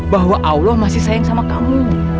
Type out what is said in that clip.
bahwa allah masih sayang sama kamu